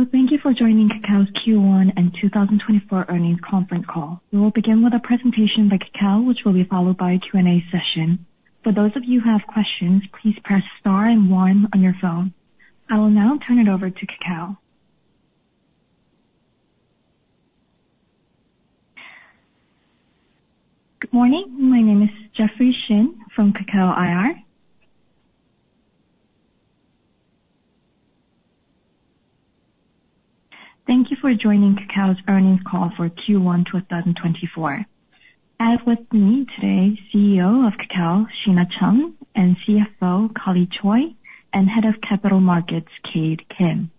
Hello, thank you for joining Kakao's Q1 2024 earnings conference call. We will begin with a presentation by Kakao, which will be followed by a Q&A session. For those of you who have questions, please press star and one on your phone. I will now turn it over to Kakao. Good morning. My name is Jeffrey Shin from Kakao IR. Thank you for joining Kakao's earnings call for Q1 2024. As with me today, CEO of Kakao, Shina Chung, and CFO, Carly Choi, and Head of Capital Markets, Kate Kim.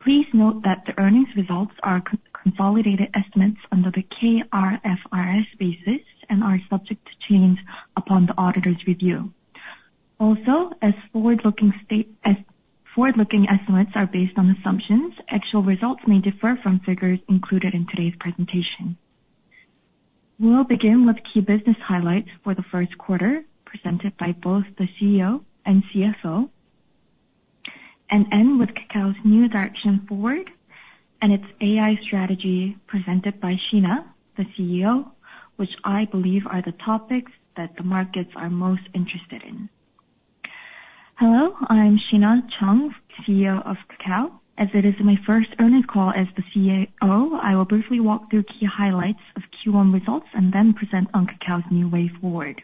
Please note that the earnings results are consolidated estimates under the K-IFRS basis and are subject to change upon the auditor's review. Also, as forward-looking estimates are based on assumptions, actual results may differ from figures included in today's presentation. We'll begin with key business highlights for the Q1, presented by both the CEO and CFO, and end with Kakao's new direction forward and its AI strategy presented by Shina, the CEO, which I believe are the topics that the markets are most interested in. Hello, I'm Shina Chung, CEO of Kakao. As it is my first earnings call as the CEO, I will briefly walk through key highlights of Q1 results and then present on Kakao's new way forward.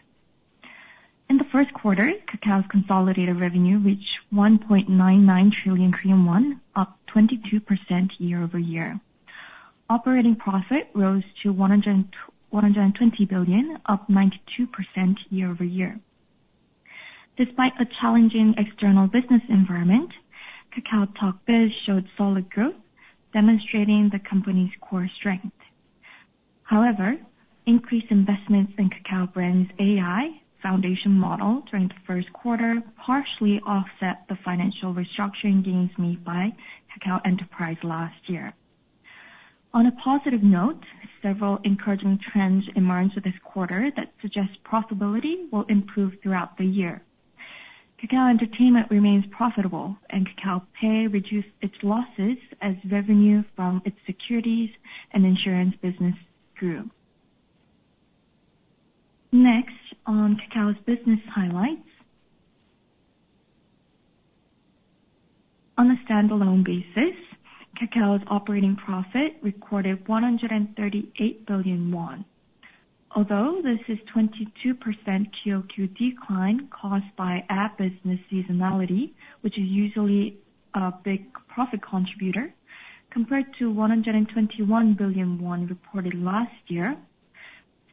In the Q1, Kakao's consolidated revenue reached 1.99 trillion Korean won, up 22% year-over-year. Operating profit rose to 120 billion, up 92% year-over-year. Despite a challenging external business environment, KakaoTalk Biz showed solid growth, demonstrating the company's core strength. However, increased investments in Kakao Brain's AI foundation model during the Q1 partially offset the financial restructuring gains made by Kakao Enterprise last year. On a positive note, several encouraging trends emerged this quarter that suggest profitability will improve throughout the year. Kakao Entertainment remains profitable, and Kakao Pay reduced its losses as revenue from its securities and insurance business grew. Next, on Kakao's business highlights. On a standalone basis, Kakao's operating profit recorded 138 billion won. Although this is a 22% QoQ decline caused by ad business seasonality, which is usually a big profit contributor, compared to 121 billion won reported last year,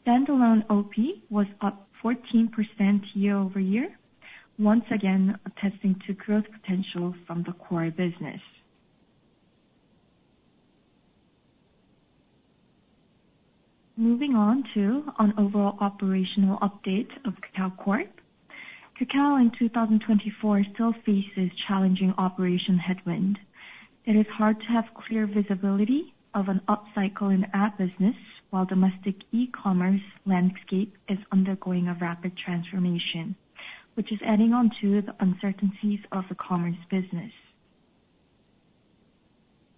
standalone OP was up 14% year-over-year, once again, attesting to growth potential from the core business. Moving on to an overall operational update of Kakao Corp. Kakao in 2024 still faces challenging operation headwind. It is hard to have clear visibility of an upcycle in ad business, while domestic e-commerce landscape is undergoing a rapid transformation, which is adding on to the uncertainties of the commerce business.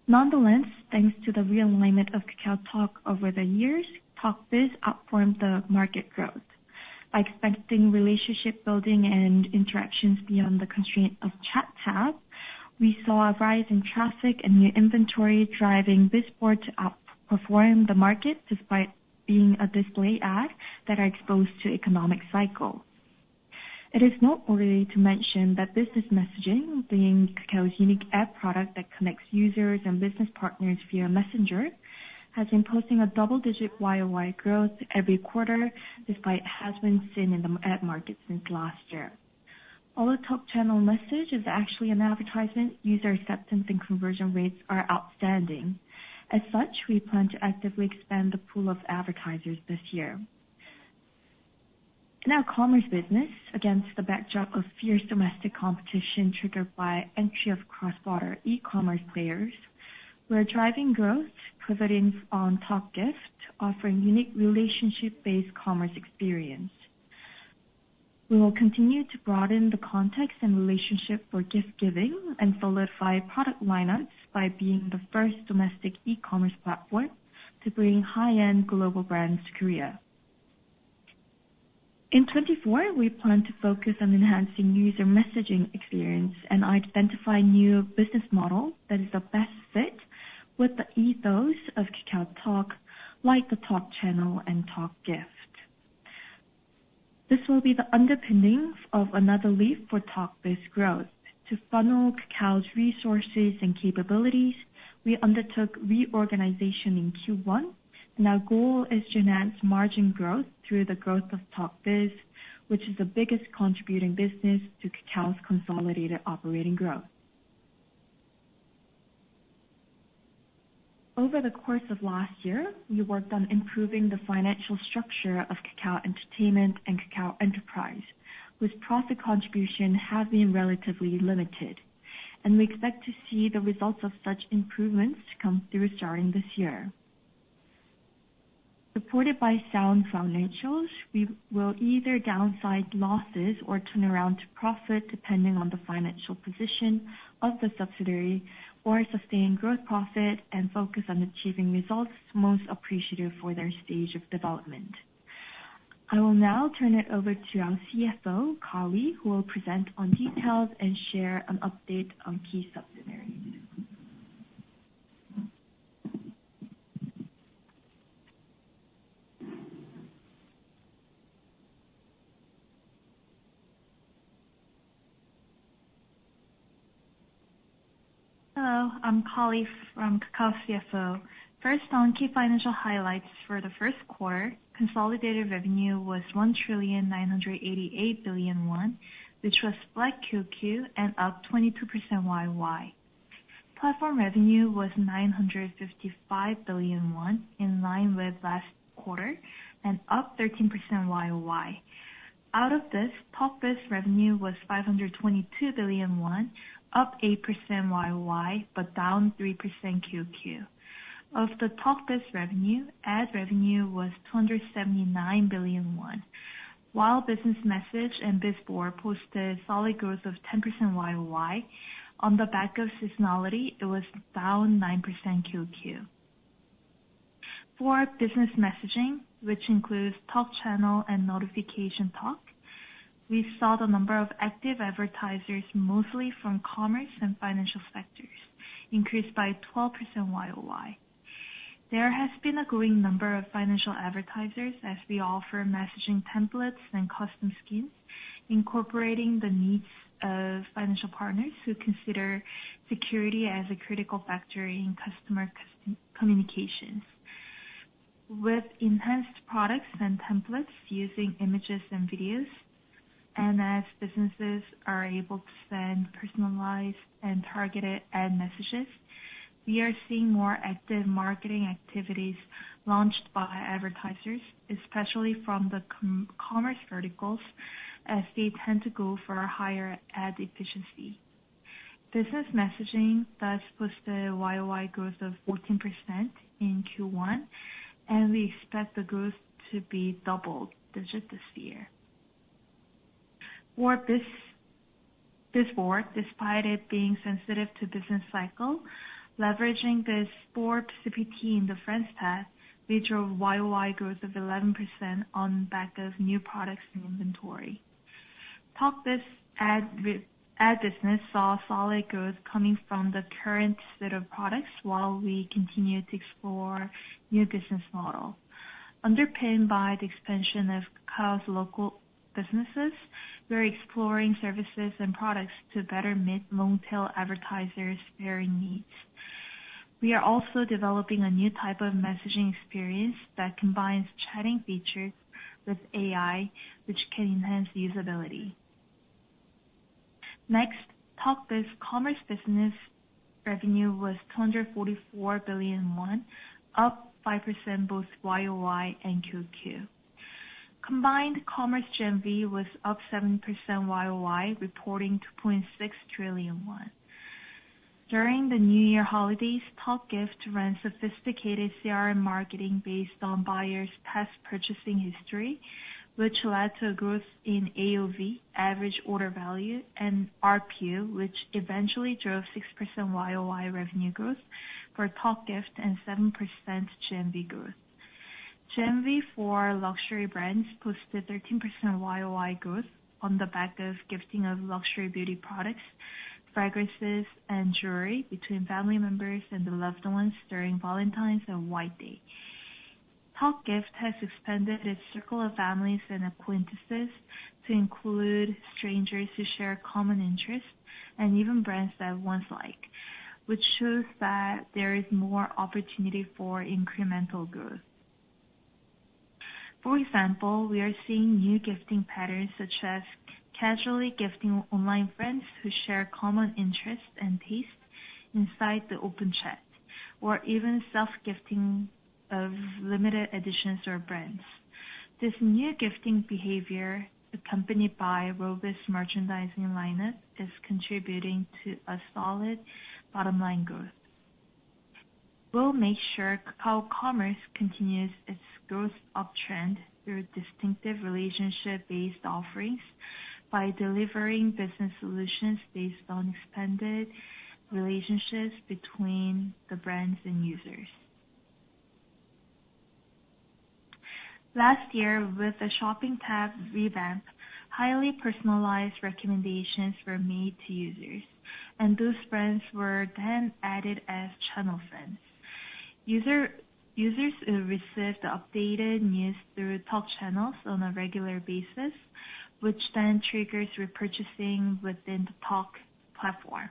Nonetheless, thanks to the realignment of KakaoTalk over the years, Talk Biz outperformed the market growth. By expanding relationship building and interactions beyond the constraint of Chat tab, we saw a rise in traffic and new inventory, driving BizBoard to outperform the market despite being a display ad that are exposed to economic cycle. It is not only to mention that business messaging, being Kakao's unique ad product that connects users and business partners via messenger, has been posting a double-digit YoY growth every quarter, despite has been seen in the ad market since last year. All the Talk Channel message is actually an advertisement. User acceptance and conversion rates are outstanding. As such, we plan to actively expand the pool of advertisers this year. In our commerce business, against the backdrop of fierce domestic competition triggered by entry of cross-border e-commerce players, we are driving growth, pivoting on Talk Gift, offering unique relationship-based commerce experience. We will continue to broaden the context and relationship for gift giving and solidify product lineups by being the first domestic e-commerce platform to bring high-end global brands to Korea. In 2024, we plan to focus on enhancing user messaging experience and identify new business model that is the best fit with the ethos of KakaoTalk, like the Talk Channel and Talk Gift. This will be the underpinning of another leap for Talk Biz growth. To funnel Kakao's resources and capabilities, we undertook reorganization in Q1, and our goal is to enhance margin growth through the growth of Talk Biz, which is the biggest contributing business to Kakao's consolidated operating growth. Over the course of last year, we worked on improving the financial structure of Kakao Entertainment and Kakao Enterprise, whose profit contribution has been relatively limited, and we expect to see the results of such improvements come through starting this year. Supported by sound financials, we will either downside losses or turn around to profit depending on the financial position of the subsidiary, or sustain growth profit and focus on achieving results most appreciative for their stage of development. I will now turn it over to our CFO, Carly, who will present on details and share an update on key subsidiaries. Hello, I'm Carly from Kakao, CFO. First, on key financial highlights for the Q1, consolidated revenue was 1,988 billion won, which was flat QQ and up 22% YoY. Platform revenue was 955 billion won, in line with last quarter and up 13% YoY. Out of this, Talk Biz revenue was 522 billion won, up 8% YoY, but down 3% QQ. Of the Talk Biz revenue, ad revenue was 279 billion won, while Business Message and BizBoard posted solid growth of 10% YoY. On the back of seasonality, it was down 9% QQ. For business messaging, which includes Talk Channel and Notification Talk, we saw the number of active advertisers, mostly from commerce and financial sectors, increased by 12% YoY. There has been a growing number of financial advertisers as we offer messaging templates and custom skins, incorporating the needs of financial partners who consider security as a critical factor in customer communications. With enhanced products and templates using images and videos, and as businesses are able to send personalized and targeted ad messages, we are seeing more active marketing activities launched by advertisers, especially from the commerce verticals, as they tend to go for a higher ad efficiency. Business messaging thus posted a year-over-year growth of 14% in Q1, and we expect the growth to be double-digit this year. For this, BizBoard, despite it being sensitive to business cycle, leveraging the Spot CPT in the Friends Path, we drove year-over-year growth of 11% on back of new products and inventory. Talk Biz ad business saw solid growth coming from the current set of products while we continue to explore new business model. Underpinned by the expansion of Kakao's local businesses, we're exploring services and products to better meet long-tail advertisers' varying needs. We are also developing a new type of messaging experience that combines chatting features with AI, which can enhance usability. Next, Talk Biz commerce business revenue was 244 billion won, up 5%, both YoY and QQ. Combined commerce GMV was up 7% YoY, reporting 2.6 trillion won. During the new year holidays, Talk Gift ran sophisticated CRM marketing based on buyers' past purchasing history, which led to a growth in AOV, average order value, and RPU, which eventually drove 6% YoY revenue growth for Talk Gift and 7% GMV growth. GMV for luxury brands posted 13% YoY growth on the back of gifting of luxury beauty products, fragrances, and jewelry between family members and the loved ones during Valentine's and White Day. Talk Gift has expanded its circle of families and acquaintances to include strangers who share common interests and even brands that ones like, which shows that there is more opportunity for incremental growth. For example, we are seeing new gifting patterns, such as casually gifting online friends who share common interests and tastes inside the Open Chat, or even self-gifting of limited editions or brands. This new gifting behavior, accompanied by robust merchandising lineup, is contributing to a solid bottom line growth. We'll make sure Kakao Commerce continues its growth uptrend through distinctive relationship-based offerings by delivering business solutions based on expanded relationships between the brands and users. Last year, with the Shopping tab revamp, highly personalized recommendations were made to users, and those brands were then added as channel friends. Users received the updated news through Talk Channels on a regular basis, which then triggers repurchasing within the Talk platform.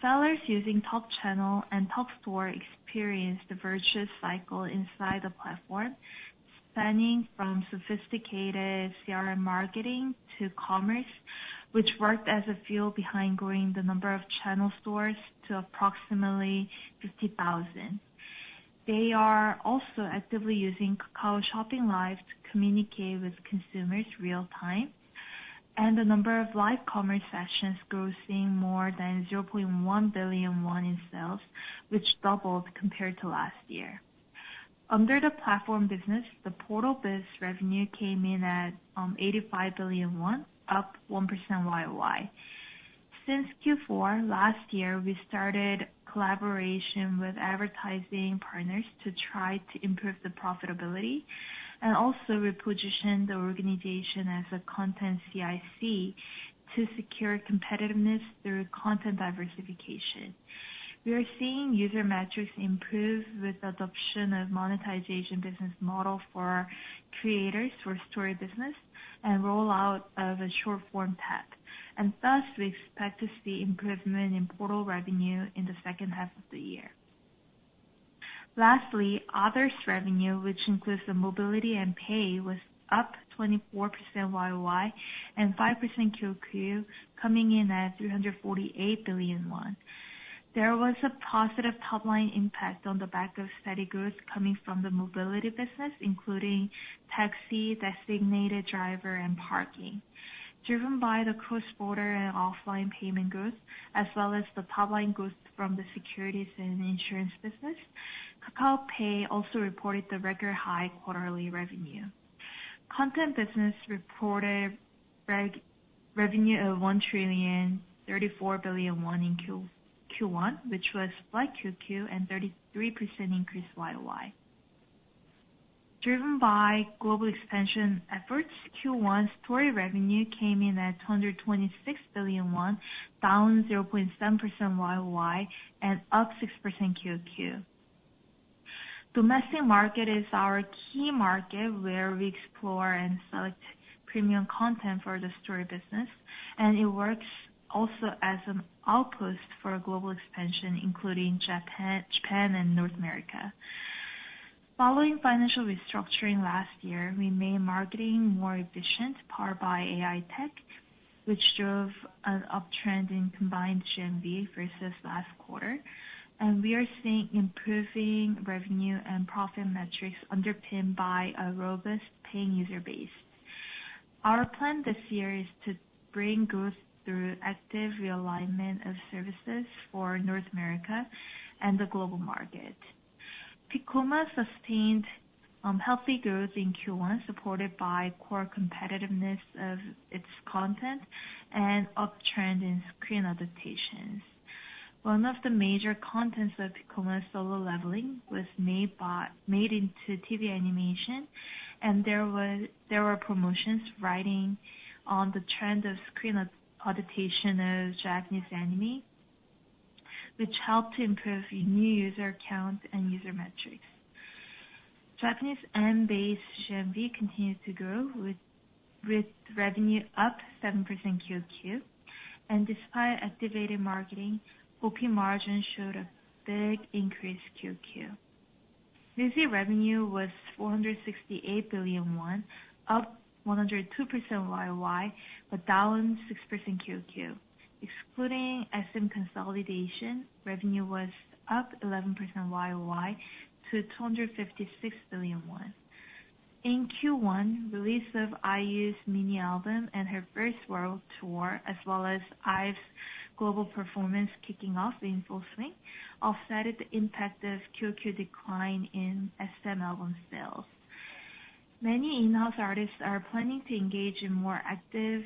Sellers using Talk Channel and Talk Store experienced a virtuous cycle inside the platform, spanning from sophisticated CRM marketing to commerce, which worked as a fuel behind growing the number of channel stores to approximately 50,000. They are also actively using Kakao Shopping Live to communicate with consumers real time, and the number of live commerce sessions grossing more than 0.1 billion won in sales, which doubled compared to last year. Under the platform business, the portal biz revenue came in at 85 billion won, up 1% YoY. Since Q4 last year, we started collaboration with advertising partners to try to improve the profitability, and also we positioned the organization as a content CIC to secure competitiveness through content diversification. We are seeing user metrics improve with adoption of monetization business model for creators, for Story business, and rollout of a short form tab. Thus, we expect to see improvement in portal revenue in the second half of the year. Lastly, others revenue, which includes the mobility and pay, was up 24% YoY and 5% QoQ, coming in at 348 billion won. There was a positive top line impact on the back of steady growth coming from the mobility business, including taxi, designated driver, and parking. Driven by the cross-border and offline payment growth, as well as the top line growth from the securities and insurance business, Kakao Pay also reported the record high quarterly revenue. Content business reported revenue of 1,034 billion won in Q1, which was flat quarter-over-quarter and 33% increase year-over-year. Driven by global expansion efforts, Q1 story revenue came in at 226 billion won, down 0.7% year-over-year, and up 6% quarter-over-quarter. Domestic market is our key market, where we explore and select premium content for the Story business, and it works also as an outpost for global expansion, including Japan and North America. Following financial restructuring last year, we made marketing more efficient, powered by AI tech, which drove an uptrend in combined GMV versus last quarter, and we are seeing improving revenue and profit metrics underpinned by a robust paying user base. Our plan this year is to bring growth through active realignment of services for North America and the global market. Piccoma sustained healthy growth in Q1, supported by core competitiveness of its content and uptrend in screen adaptations. One of the major contents of Piccoma, Solo Leveling, was made into TV animation, and there were promotions riding on the trend of screen adaptation of Japanese anime, which helped to improve new user count and user metrics. Japanese yen-based GMV continued to grow, with revenue up 7% QoQ. Despite activated marketing, OP margin showed a big increase QoQ. Music revenue was 468 billion won, up 102% YoY, but down 6% QoQ. Excluding SM consolidation, revenue was up 11% YoY to 256 billion won. In Q1, release of IU's mini album and her first world tour, as well as IVE's global performance kicking off in full swing, offset the impact of QQ decline in SM album sales. Many in-house artists are planning to engage in more active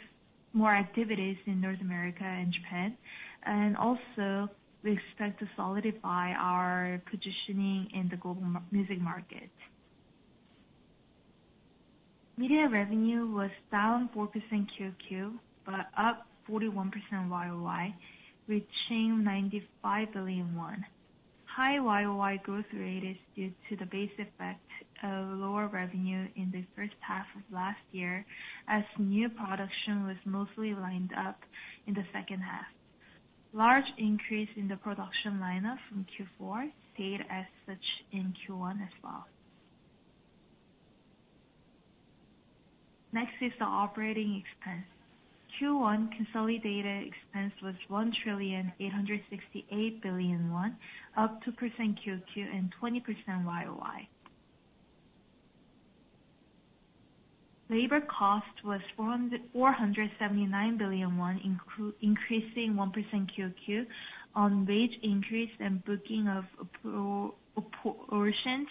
activities in North America and Japan, and also we expect to solidify our positioning in the global music market. Media revenue was down 4% QoQ, but up 41% YoY, reaching 95 billion won. High YoY growth rate is due to the base effect of lower revenue in the first half of last year, as new production was mostly lined up in the second half. Large increase in the production lineup from Q4 stayed as such in Q1 as well. Next is the operating expense. Q1 consolidated expense was 1,868 billion won, up 2% QoQ and 20% YoY. Labor cost was 479 billion won, increasing 1% QoQ on wage increase and booking of apportioned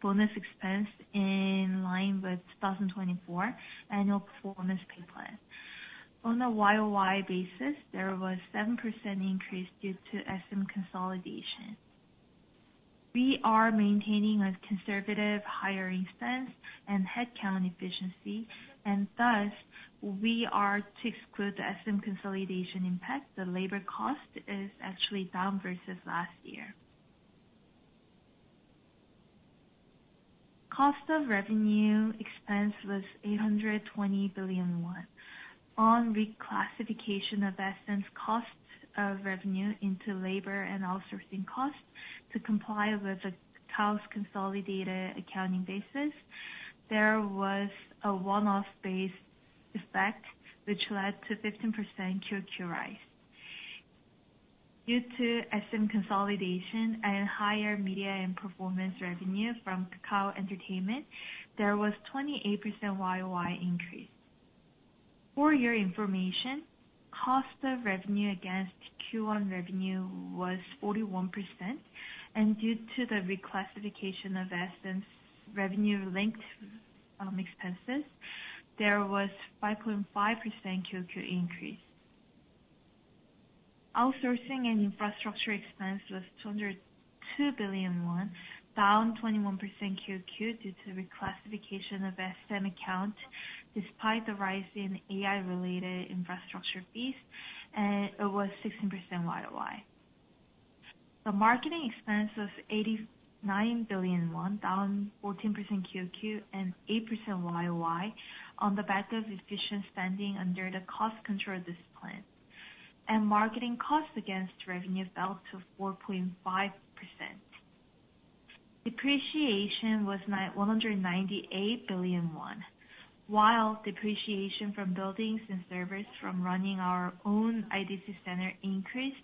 bonus expense in line with 2024 annual performance pay plan. On a YoY basis, there was 7% increase due to SM consolidation. We are maintaining a conservative hiring stance and headcount efficiency, and thus, we are to exclude the SM consolidation impact, the labor cost is actually down versus last year. Cost of revenue expense was 820 billion won. On reclassification of SM's cost of revenue into labor and outsourcing costs to comply with the Kakao's consolidated accounting basis, there was a one-off base effect, which led to 15% QoQ rise.... due to SM consolidation and higher media and performance revenue from Kakao Entertainment, there was 28% YoY increase. For your information, cost of revenue against Q1 revenue was 41%, and due to the reclassification of SM's revenue-linked expenses, there was 5.5% QQ increase. Outsourcing and infrastructure expense was 202 billion won, down 21% QQ due to reclassification of SM account, despite the rise in AI-related infrastructure fees, and it was 16% YoY. The marketing expense was 89 billion won, down 14% QQ and 8% YoY on the back of efficient spending under the cost control discipline, and marketing costs against revenue fell to 4.5%. Depreciation was one hundred and ninety-eight billion won, while depreciation from buildings and servers from running our own IDC center increased,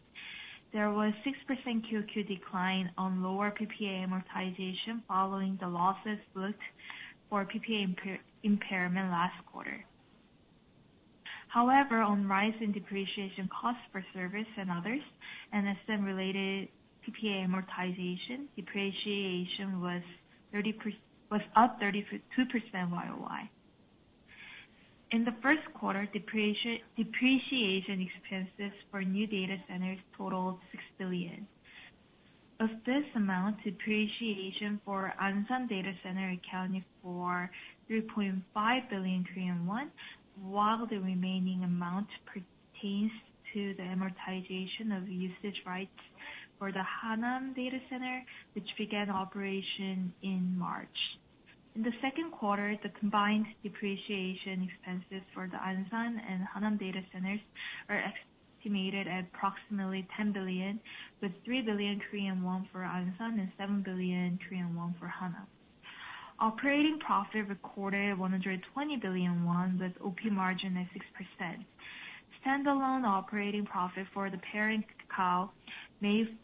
there was 6% QQ decline on lower PPA amortization following the losses booked for PPA impairment last quarter. However, on rise in depreciation costs for service and others, and SM-related PPA amortization, depreciation was up 32% YoY. In the Q1, depreciation expenses for new data centers totaled 6 billion. Of this amount, depreciation for Ansan data center accounted for 3.5 billion Korean won, while the remaining amount pertains to the amortization of usage rights for the Hanam data center, which began operation in March. In the Q2, the combined depreciation expenses for the Ansan and Hanam data centers are estimated at approximately 10 billion KRW, with 3 billion Korean won for Ansan and 7 billion Korean won for Hanam. Operating profit recorded 120 billion won, with OP margin at 6%. Standalone operating profit for the parent Kakao made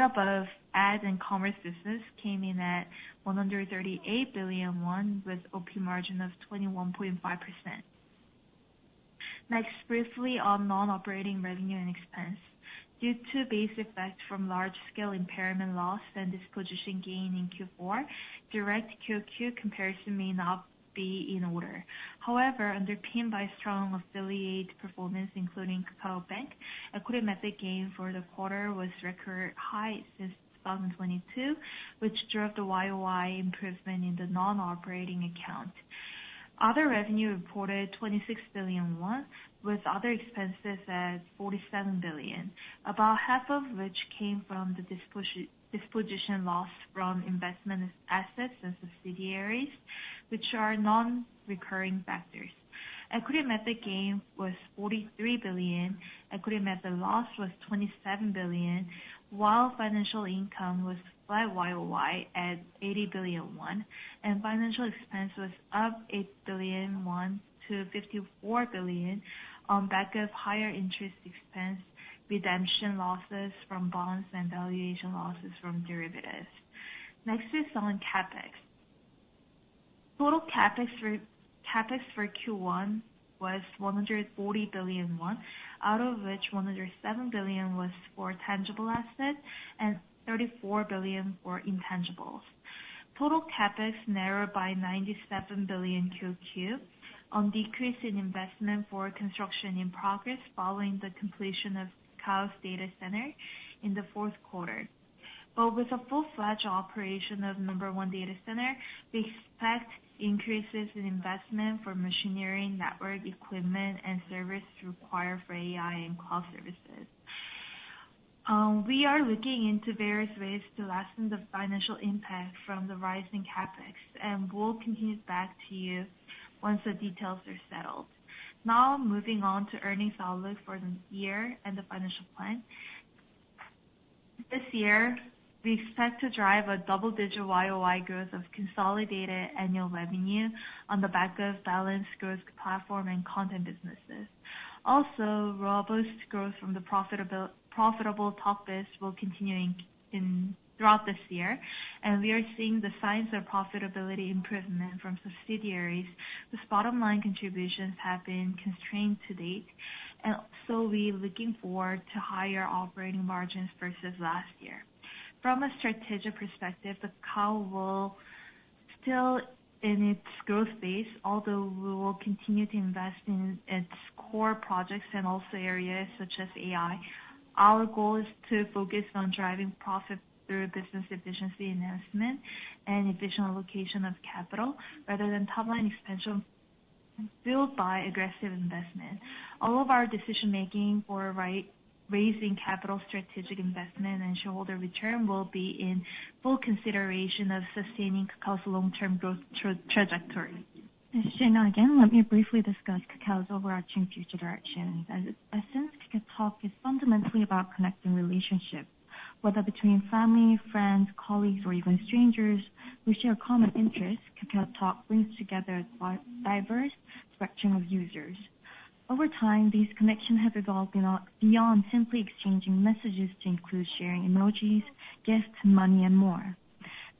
up of ad and commerce business came in at 138 billion won, with OP margin of 21.5%. Next, briefly on non-operating revenue and expense. Due to base effects from large-scale impairment loss and disposition gain in Q4, direct QQ comparison may not be in order. However, underpinned by strong affiliate performance, including Kakao Bank, equity method gain for the quarter was record high since 2022, which drove the YoY improvement in the non-operating account. Other revenue reported 26 billion won, with other expenses at 47 billion, about half of which came from the disposition loss from investment assets and subsidiaries, which are non-recurring factors. Equity method gain was 43 billion, equity method loss was 27 billion, while financial income was flat YoY at 80 billion, and financial expense was up 8 billion to 54 billion on back of higher interest expense, redemption losses from bonds, and valuation losses from derivatives. Next is on CapEx. Total CapEx for Q1 was 140 billion won, out of which 107 billion was for tangible assets and 34 billion for intangibles. Total CapEx narrowed by 97 billion on decrease in investment for construction in progress following the completion of Kakao's data center in the Q4. But with a full-fledged operation of number one data center, we expect increases in investment for machinery, network equipment, and service required for AI and cloud services. We are looking into various ways to lessen the financial impact from the rising CapEx, and we'll continue back to you once the details are settled. Now, moving on to earnings outlook for the year and the financial plan. This year, we expect to drive a double-digit YoY growth of consolidated annual revenue on the back of balanced growth platform and content businesses. Also, robust growth from the profitable top list will continue throughout this year, and we are seeing the signs of profitability improvement from subsidiaries, whose bottom line contributions have been constrained to date, and so we're looking forward to higher operating margins versus last year. From a strategic perspective, the Kakao will still in its growth phase, although we will continue to invest in its core projects and also areas such as AI. Our goal is to focus on driving profit through business efficiency enhancement and efficient allocation of capital, rather than top-line expansion built by aggressive investment. All of our decision-making for raising capital, strategic investment, and shareholder return will be in full consideration of sustaining Kakao's long-term growth trajectory. It's Shina again. Let me briefly discuss Kakao's overarching future directions. Since KakaoTalk is fundamentally about connecting relationships whether between family, friends, colleagues, or even strangers who share common interests, KakaoTalk brings together a diverse spectrum of users. Over time, these connections have evolved beyond simply exchanging messages to include sharing emojis, gifts, money, and more.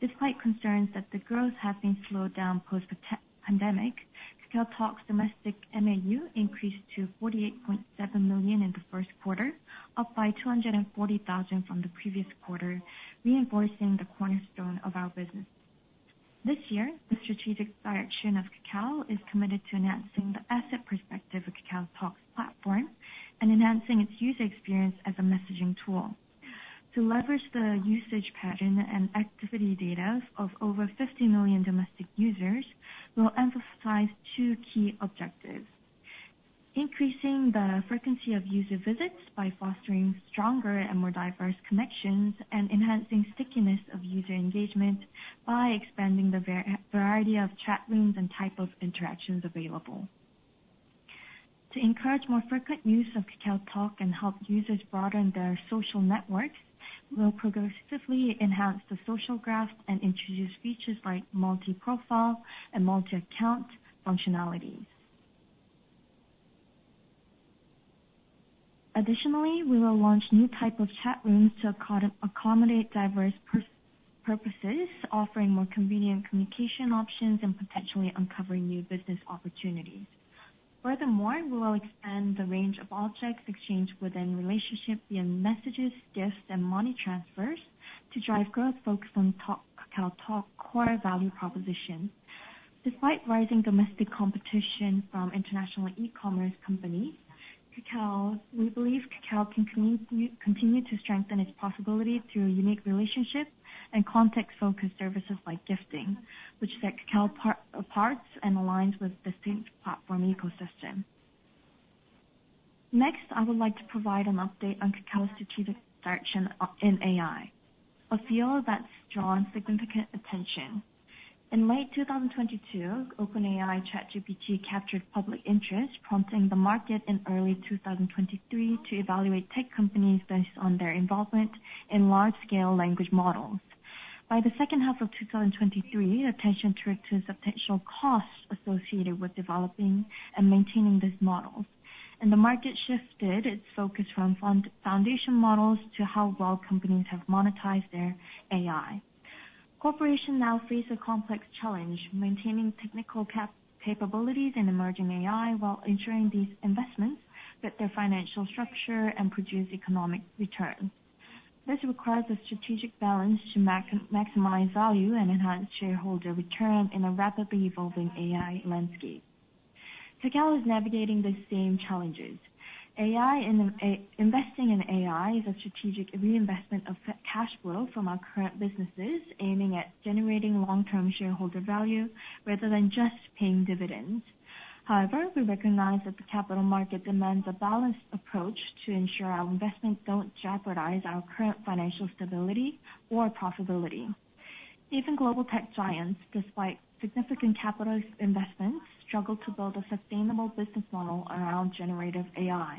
Despite concerns that the growth has been slowed down post-pandemic, KakaoTalk's domestic MAU increased to 48.7 million in the Q1, up by 240,000 from the previous quarter, reinforcing the cornerstone of our business. This year, the strategic direction of Kakao is committed to enhancing the asset perspective of KakaoTalk's platform and enhancing its user experience as a messaging tool. To leverage the usage pattern and activity data of over 50 million domestic users, we'll emphasize two key objectives: increasing the frequency of user visits by fostering stronger and more diverse connections, and enhancing stickiness of user engagement by expanding the variety of chat rooms and type of interactions available. To encourage more frequent use of KakaoTalk and help users broaden their social networks, we'll progressively enhance the social graph and introduce features like multi-profile and multi-account functionalities. Additionally, we will launch new type of chat rooms to accommodate diverse purposes, offering more convenient communication options and potentially uncovering new business opportunities. Furthermore, we will expand the range of objects exchanged within relationships via messages, gifts, and money transfers to drive growth focused on Talk, KakaoTalk core value proposition. Despite rising domestic competition from international e-commerce companies, Kakao, we believe Kakao can continue to strengthen its possibility through unique relationships and context-focused services like gifting, which set Kakao apart and aligns with distinct platform ecosystem. Next, I would like to provide an update on Kakao's strategic direction in AI, a field that's drawn significant attention. In late 2022, OpenAI ChatGPT captured public interest, prompting the market in early 2023 to evaluate tech companies based on their involvement in large-scale language models. By the second half of 2023, attention turned to the potential costs associated with developing and maintaining these models, and the market shifted its focus from foundation models to how well companies have monetized their AI. Corporations now face a complex challenge: maintaining technical capabilities in emerging AI while ensuring these investments fit their financial structure and produce economic return. This requires a strategic balance to maximize value and enhance shareholder return in a rapidly evolving AI landscape. Kakao is navigating the same challenges. AI and investing in AI is a strategic reinvestment of cash flow from our current businesses, aiming at generating long-term shareholder value rather than just paying dividends. However, we recognize that the capital market demands a balanced approach to ensure our investments don't jeopardize our current financial stability or profitability. Even global tech giants, despite significant capital investments, struggle to build a sustainable business model around generative AI.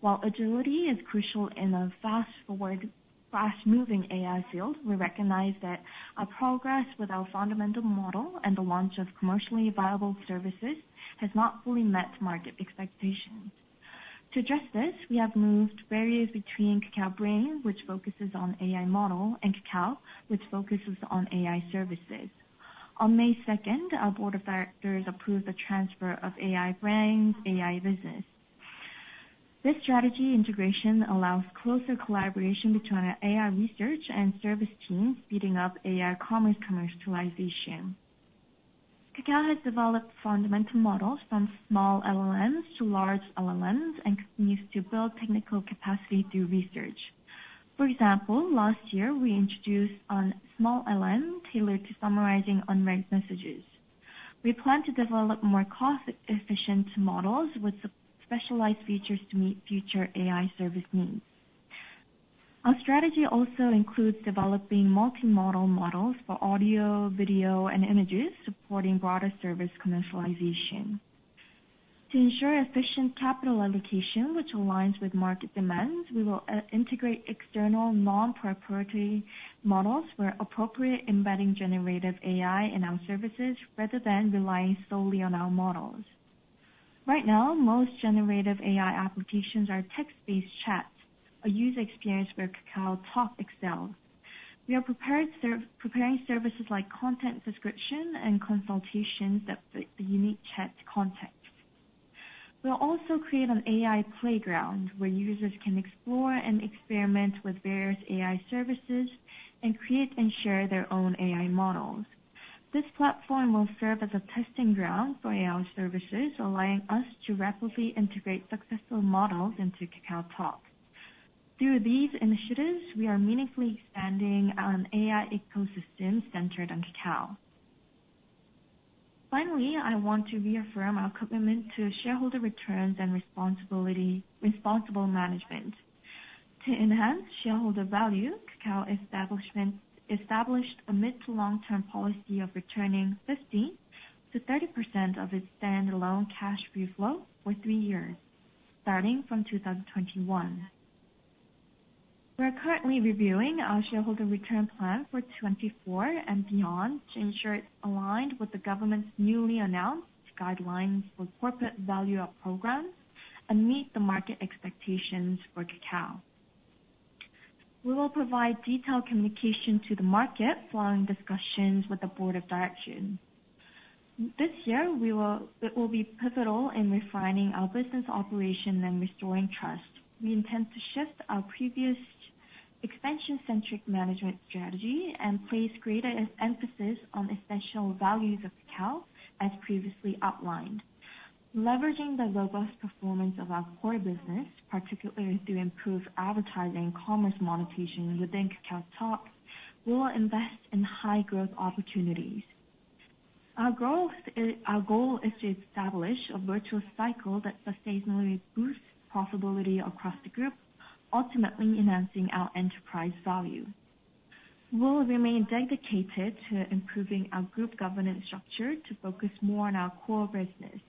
While agility is crucial in a fast-forward, fast-moving AI field, we recognize that our progress with our fundamental model and the launch of commercially viable services has not fully met market expectations. To address this, we have removed barriers between Kakao Brain, which focuses on AI model, and Kakao, which focuses on AI services. On May second, our board of directors approved the transfer of Kakao Brain's AI business. This strategy integration allows closer collaboration between our AI research and service teams, speeding up AI commerce commercialization. Kakao has developed fundamental models from small LLMs to large LLMs and continues to build technical capacity through research. For example, last year, we introduced a small LM tailored to summarizing unread messages. We plan to develop more cost-efficient models with specialized features to meet future AI service needs. Our strategy also includes developing multimodal models for audio, video, and images, supporting broader service commercialization. To ensure efficient capital allocation, which aligns with market demands, we will integrate external non-proprietary models where appropriate, embedding generative AI in our services rather than relying solely on our models. Right now, most generative AI applications are text-based chats, a user experience where KakaoTalk excels. We are preparing services like content description and consultations that fit the unique chat context. We'll also create an AI playground where users can explore and experiment with various AI services and create and share their own AI models. This platform will serve as a testing ground for AI services, allowing us to rapidly integrate successful models into KakaoTalk. Through these initiatives, we are meaningfully expanding our AI ecosystem centered on Kakao. Finally, I want to reaffirm our commitment to shareholder returns and responsible management. To enhance shareholder value, Kakao established a mid- to long-term policy of returning 50%-30% of its standalone free cash flow for 3 years, starting from 2021. We are currently reviewing our shareholder return plan for 2024 and beyond to ensure it's aligned with the government's newly announced guidelines for corporate value-up programs and meet the market expectations for Kakao. We will provide detailed communication to the market following discussions with the board of directors. This year, it will be pivotal in refining our business operation and restoring trust. We intend to shift our previous expansion-centric management strategy and place greater emphasis on essential values of Kakao, as previously outlined. Leveraging the robust performance of our core business, particularly through improved advertising commerce monetization within KakaoTalk, we will invest in high growth opportunities. Our growth, our goal is to establish a virtual cycle that sustainably boosts profitability across the group, ultimately enhancing our enterprise value. We will remain dedicated to improving our group governance structure to focus more on our core business.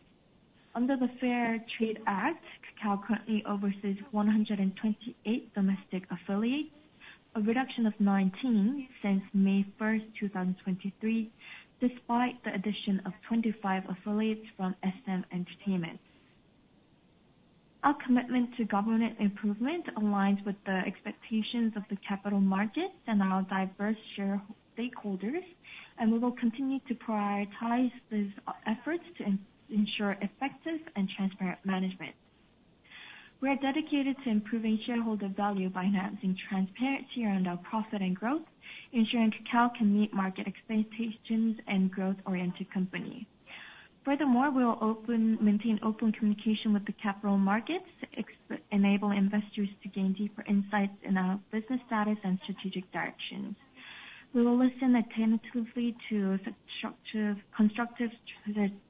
Under the Fair Trade Act, Kakao currently oversees 128 domestic affiliates, a reduction of 19 since May 1, 2023, despite the addition of 25 affiliates from SM Entertainment. Our commitment to governance improvement aligns with the expectations of the capital markets and our diverse shareholders, and we will continue to prioritize these efforts to ensure effective and transparent management. We are dedicated to improving shareholder value by enhancing transparency around our profit and growth, ensuring Kakao can meet market expectations and growth-oriented company. Furthermore, we will maintain open communication with the capital markets, enable investors to gain deeper insights in our business status and strategic directions. We will listen attentively to substantive, constructive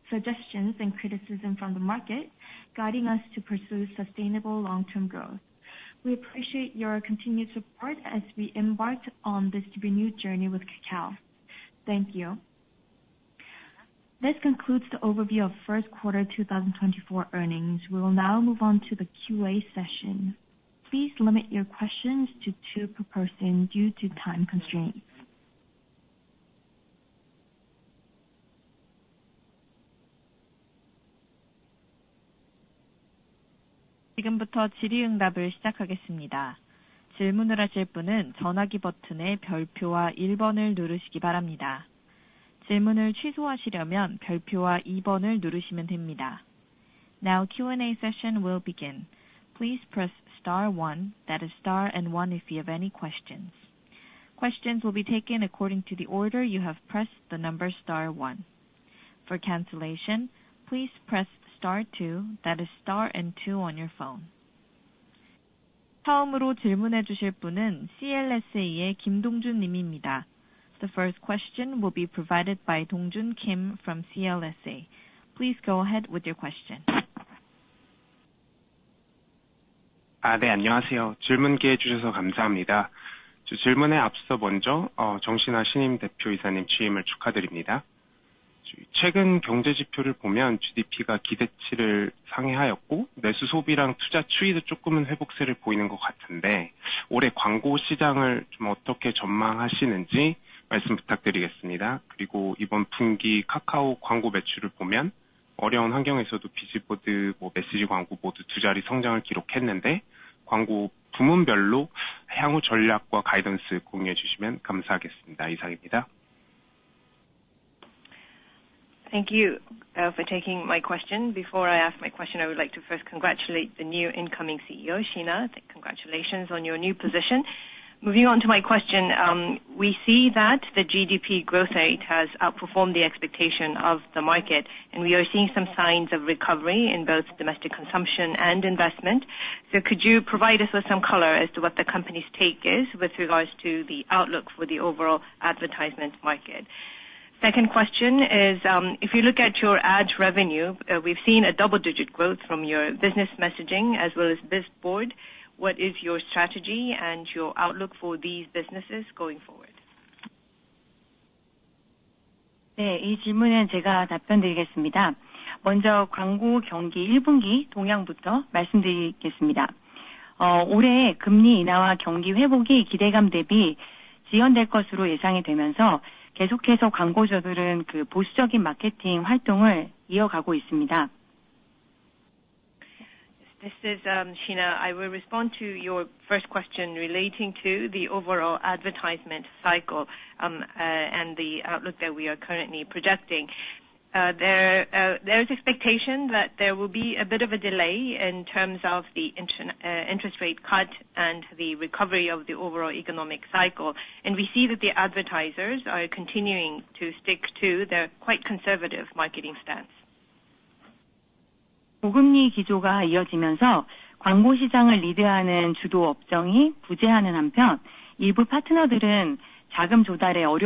suggestions and criticism from the market, guiding us to pursue sustainable long-term growth. We appreciate your continued support as we embark on this renewed journey with Kakao. Thank you. This concludes the overview of Q1 2024 earnings. We will now move on to the QA session. Please limit your questions to two per person due to time constraints. Now Q&A session will begin. Please press star one, that is star and one, if you have any questions. Questions will be taken according to the order you have pressed the number star one. For cancellation, please press star two, that is star and two on your phone. The first question will be provided by Dongjun Kim from CLSA. Please go ahead with your question. Thank you for taking my question. Before I ask my question, I would like to first congratulate the new incoming CEO, Shina. Congratulations on your new position. Moving on to my question, we see that the GDP growth rate has outperformed the expectation of the market, and we are seeing some signs of recovery in both domestic consumption and investment. Could you provide us with some color as to what the company's take is with regards to the outlook for the overall advertisement market? Second question is, if you look at your ad revenue, we've seen a double-digit growth from your Business Message as well as BizBoard. What is your strategy and your outlook for these businesses going forward? This is Shina. I will respond to your first question relating to the overall advertisement cycle, and the outlook that we are currently projecting. There is expectation that there will be a bit of a delay in terms of the interest rate cut and the recovery of the overall economic cycle, and we see that the advertisers are continuing to stick to their quite conservative marketing stance. So with the continuing of the high rate backdrop, we see that there is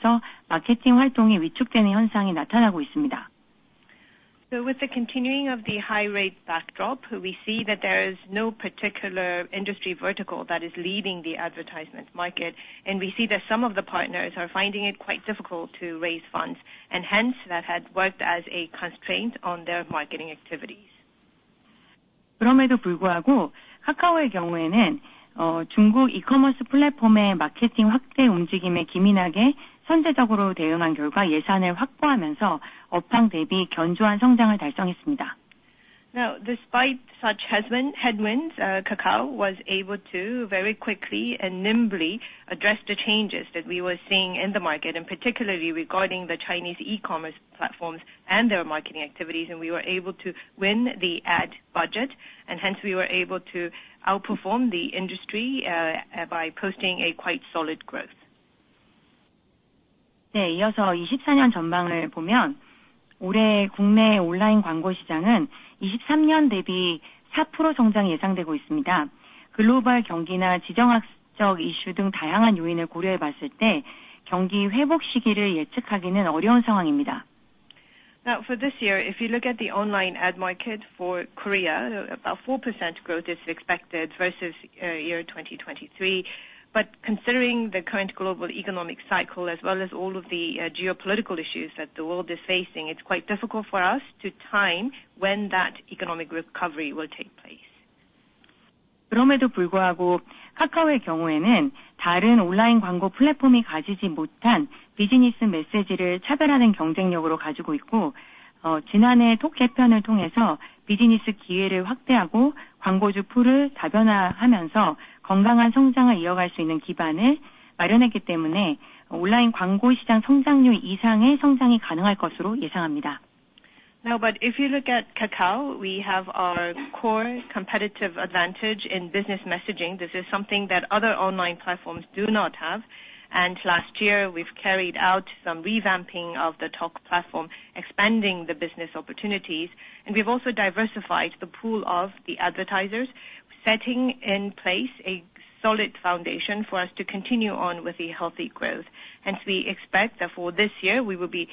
no particular industry vertical that is leading the advertisement market, and we see that some of the partners are finding it quite difficult to raise funds, and hence that had worked as a constraint on their marketing activities. Now, despite such headwinds, Kakao was able to very quickly and nimbly address the changes that we were seeing in the market, and particularly regarding the Chinese e-commerce platforms and their marketing activities, and we were able to win the ad budget, and hence we were able to outperform the industry by posting a quite solid growth. Now for this year, if you look at the online ad market for Korea, about 4% growth is expected versus 2023. But considering the current global economic cycle, as well as all of the geopolitical issues that the world is facing, it's quite difficult for us to time when that economic recovery will take place. Now, but if you look at Kakao, we have our core competitive advantage in business messaging. This is something that other online platforms do not have. And last year, we've carried out some revamping of the Talk platform, expanding the business opportunities, and we've also diversified the pool of the advertisers, setting in place a solid foundation for us to continue on with the healthy growth. Hence, we expect that for this year we will be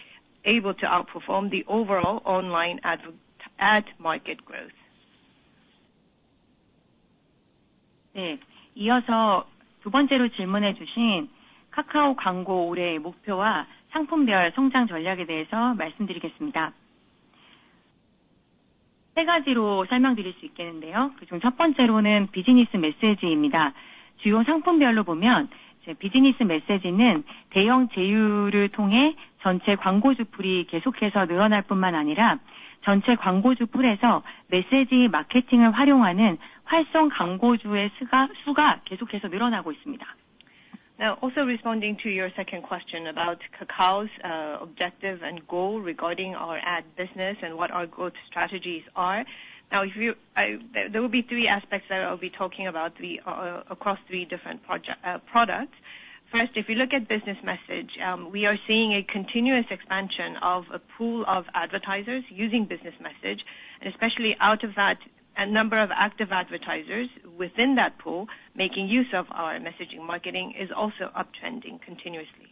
able to outperform the overall online ad market growth. Now, also responding to your second question about Kakao's objective and goal regarding our ad business and what our growth strategies are. Now, there will be three aspects that I'll be talking about, three across three different products. First, if you look at Business Message, we are seeing a continuous expansion of a pool of advertisers using Business Message, and especially out of that, a number of active advertisers within that pool making use of our messaging marketing is also uptrending continuously.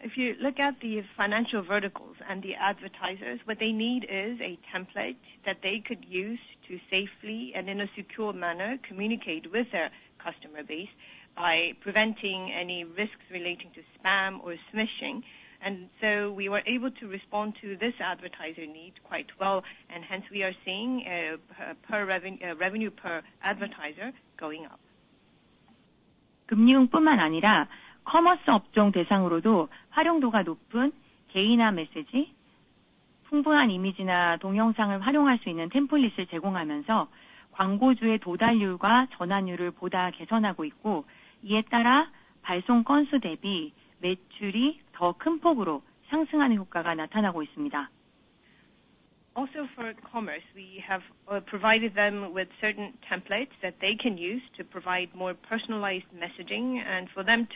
If you look at the financial verticals and the advertisers, what they need is a template that they could use to safely and in a secure manner, communicate with their customer base by preventing any risks relating to spam or smishing. And so we were able to respond to this advertiser need quite well, and hence we are seeing revenue per advertiser going up. Also, for commerce, we have provided them with certain templates that they can use to provide more personalized messaging and for them to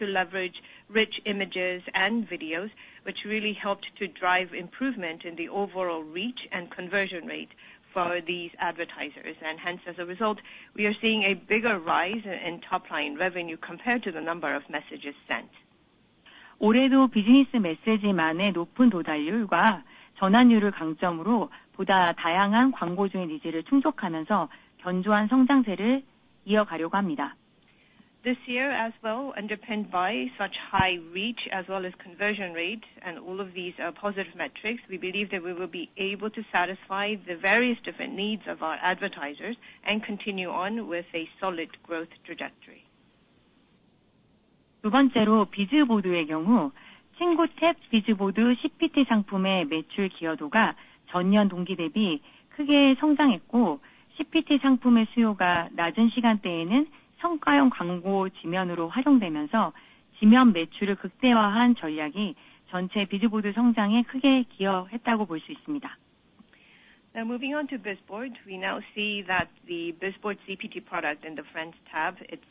leverage rich images and videos, which really helped to drive improvement in the overall reach and conversion rate for these advertisers. And hence, as a result, we are seeing a bigger rise in top line revenue compared to the number of messages sent. This year as well, underpinned by such high reach as well as conversion rate and all of these, positive metrics, we believe that we will be able to satisfy the various different needs of our advertisers and continue on with a solid growth trajectory. Now moving on to BizBoard, we now see that the BizBoard CPT product in the friends tab, its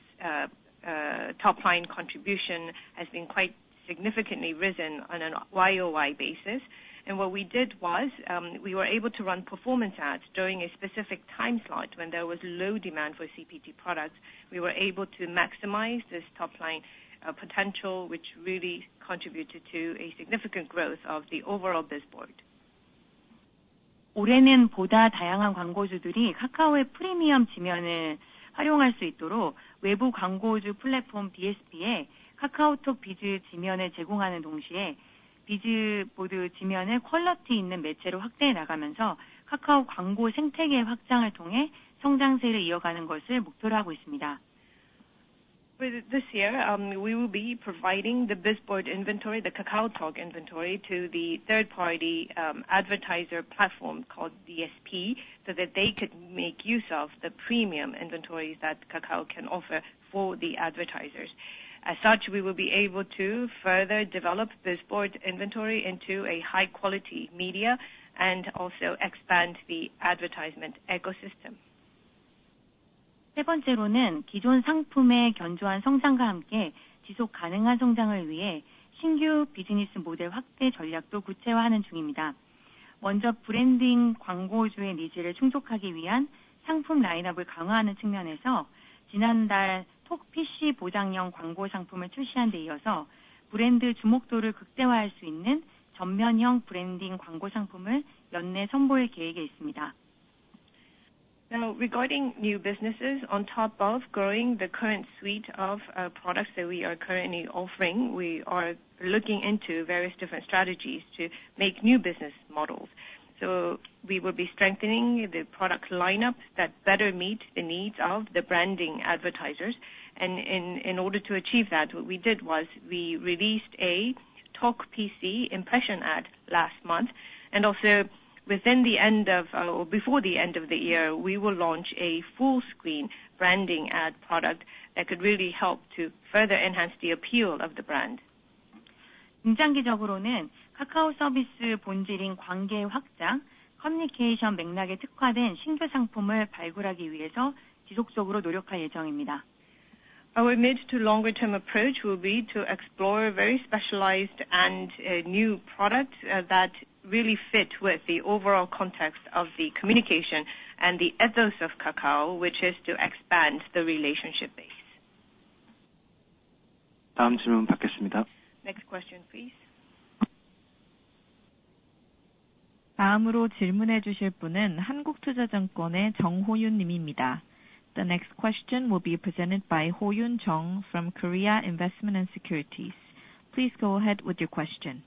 top line contribution has been quite significantly risen on an YoY basis. And what we did was, we were able to run performance ads during a specific time slot when there was low demand for CPT products. We were able to maximize this top line potential, which really contributed to a significant growth of the overall BizBoard. With this year, we will be providing the BizBoard inventory, the KakaoTalk inventory, to the third party advertiser platform called DSP, so that they could make use of the premium inventories that Kakao can offer for the advertisers. As such, we will be able to further develop this board inventory into a high quality media and also expand the advertisement ecosystem. Now, regarding new businesses, on top of growing the current suite of products that we are currently offering, we are looking into various different strategies to make new business models. So we will be strengthening the product lineup that better meet the needs of the branding advertisers. In order to achieve that, what we did was we released a Talk PC impression ad last month, and also within the end of, or before the end of the year, we will launch a full screen branding ad product that could really help to further enhance the appeal of the brand. Our mid to longer term approach will be to explore very specialized and new products that really fit with the overall context of the communication and the ethos of Kakao, which is to expand the relationship base. Next question, please. The next question will be presented by Hoyun Chung from Korea Investment & Securities. Please go ahead with your question.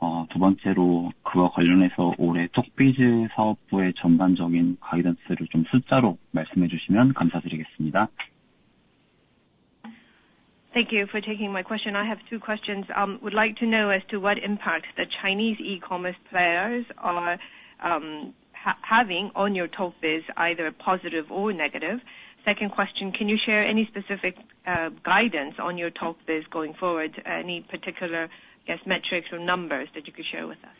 Thank you for taking my question. I have two questions. I would like to know as to what impact the Chinese e-commerce players are having on your Talk Biz, either positive or negative? Second question, can you share any specific guidance on your Talk Biz going forward? Any particular, I guess, metrics or numbers that you could share with us?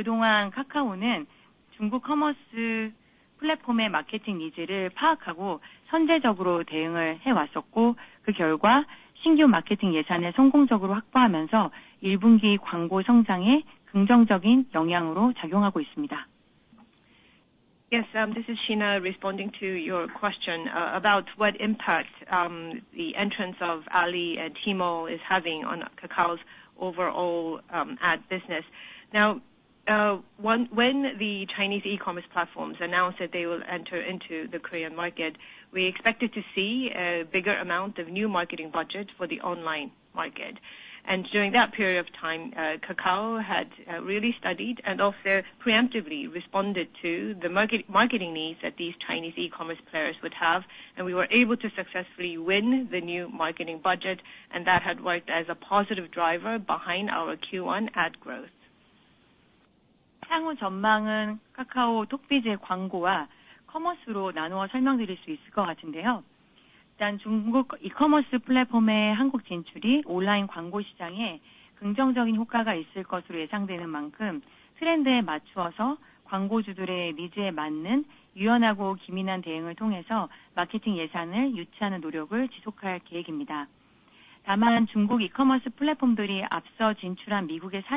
Yes, this is Shina, responding to your question about what impact the entrance of Ali and Temu is having on Kakao's overall ad business. Now, when the Chinese e-commerce platforms announced that they will enter into the Korean market, we expected to see a bigger amount of new marketing budget for the online market. During that period of time, Kakao had really studied and also preemptively responded to the marketing needs that these Chinese e-commerce players would have, and we were able to successfully win the new marketing budget, and that had worked as a positive driver behind our Q1 ad growth. Now, regarding the outlook that we are currently looking at, I think it'll be helpful to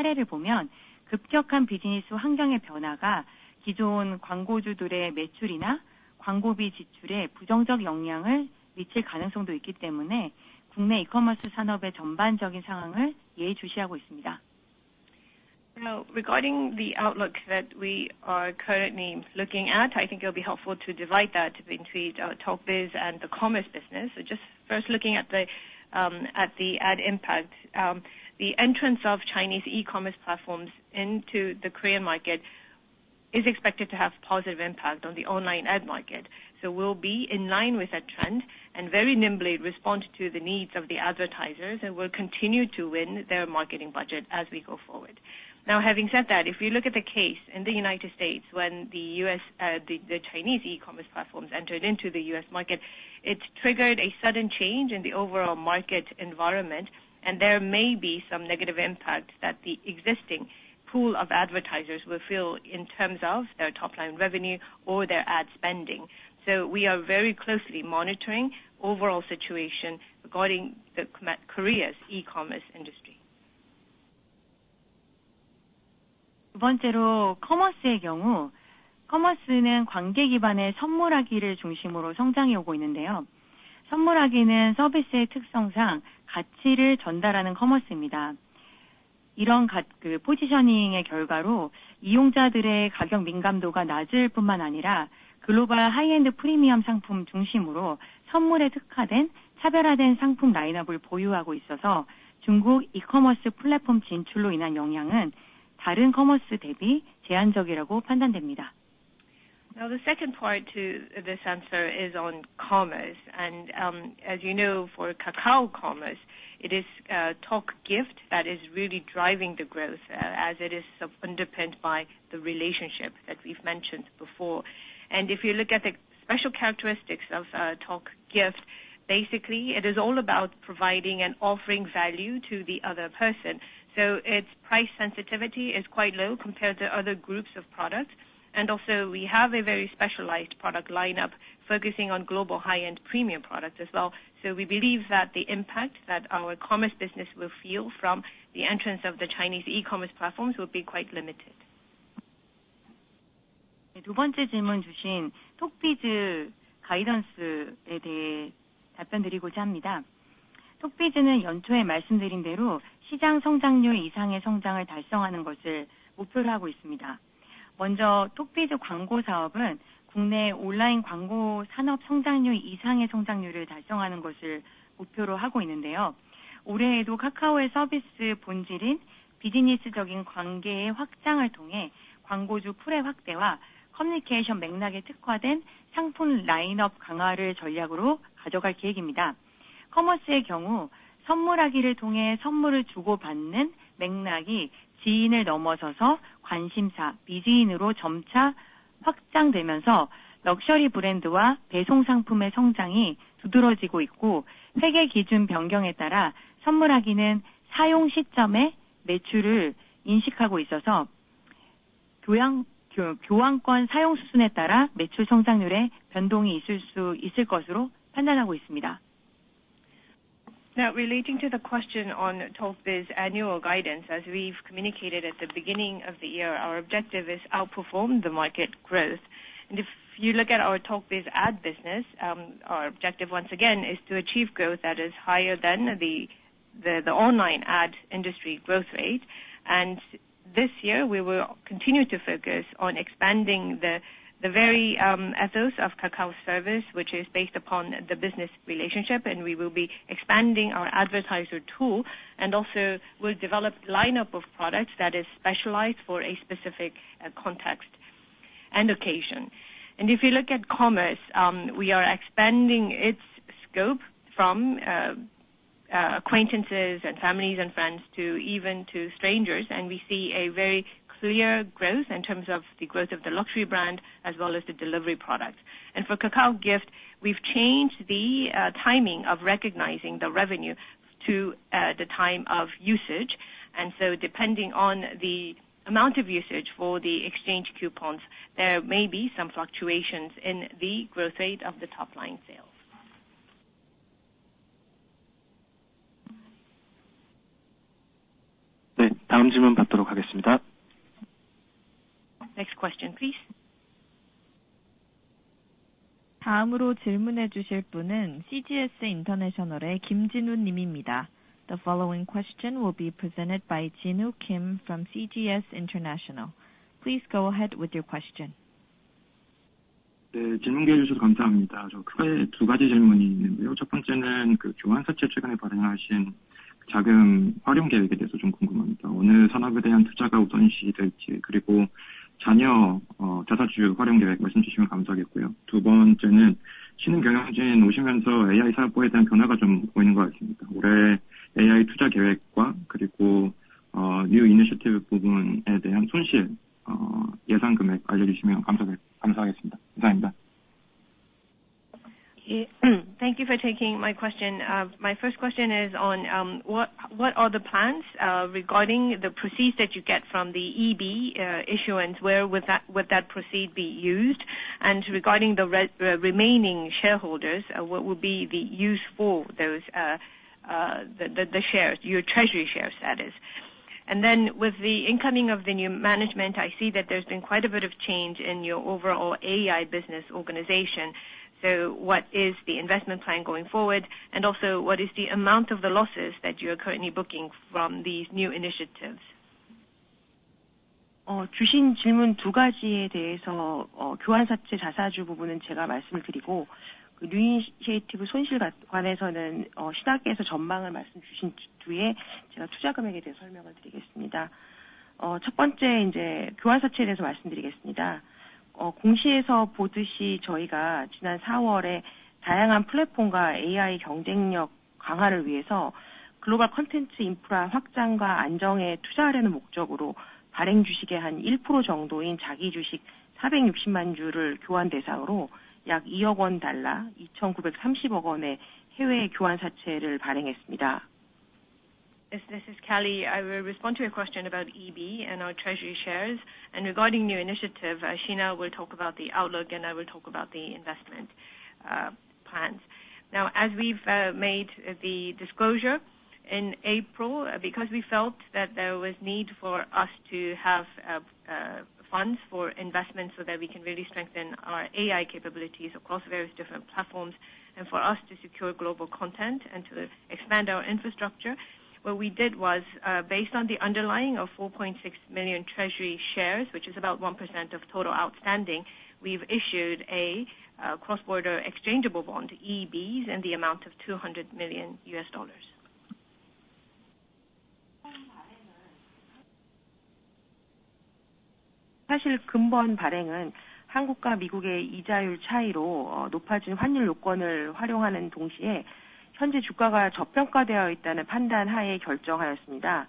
divide that between our Talk Biz and the commerce business. So just first looking at the ad impact, the entrance of Chinese e-commerce platforms into the Korean market is expected to have positive impact on the online ad market. So we'll be in line with that trend and very nimbly respond to the needs of the advertisers, and we'll continue to win their marketing budget as we go forward. Now, having said that, if you look at the case in the United States, when the US, the Chinese e-commerce platforms entered into the US market, it triggered a sudden change in the overall market environment, and there may be some negative impact that the existing pool of advertisers will feel in terms of their top line revenue or their ad spending. So we are very closely monitoring overall situation regarding Korea's e-commerce industry. Now, the second part to this answer is on commerce, and, as you know, for Kakao Commerce, it is Talk Gift that is really driving the growth, as it is underpinned by the relationship that we've mentioned before. And if you look at the special characteristics of Talk Gift, basically, it is all about providing and offering value to the other person. So its price sensitivity is quite low compared to other groups of products. Also we have a very specialized product lineup focusing on global high-end premium products as well. So we believe that the impact that our commerce business will feel from the entrance of the Chinese e-commerce platforms will be quite limited. To the question on Talk Biz annual guidance, as we've communicated at the beginning of the year, our objective is outperform the market growth. And if you look at our Talk Biz ad business, our objective once again is to achieve growth that is higher than the online ad industry growth rate. And this year, we will continue to focus on expanding the very ethos of Kakao service, which is based upon the business relationship, and we will be expanding our advertiser tool, and also we'll develop lineup of products that is specialized for a specific context and occasion. And if you look at commerce, we are expanding its scope from acquaintances and families and friends to even to strangers, and we see a very clear growth in terms of the growth of the luxury brand as well as the delivery product. And for Kakao Gift, we've changed the timing of recognizing the revenue to the time of usage. And so depending on the amount of usage for the exchange coupons, there may be some fluctuations in the growth rate of the top line sales. Next question, please. The following question will be presented by Jinu Kim from CGS International. Please go ahead with your question. Thank you for taking my question. My first question is on, what are the plans regarding the proceeds that you get from the EB issuance? Where would that proceed be used? And regarding the remaining shareholders, what would be the use for those, the shares, your treasury shares, that is? And then with the incoming of the new management, I see that there's been quite a bit of change in your overall AI business organization. So what is the investment plan going forward? And also, what is the amount of the losses that you are currently booking from these new initiatives? Yes, this is Kelly. I will respond to your question about EB and our treasury shares, and regarding new initiative, Shina will talk about the outlook, and I will talk about the investment, plans. Now, as we've made the disclosure in April, because we felt that there was need for us to have, funds for investment so that we can really strengthen our AI capabilities across various different platforms, and for us to secure global content and to expand our infrastructure. What we did was, based on the underlying of 4.6 million treasury shares, which is about 1% of total outstanding, we've issued a, cross-border exchangeable bond, EBs, in the amount of $200 million.